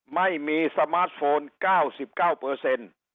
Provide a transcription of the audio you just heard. ไม่มีสมาร์ทโฟน๙๙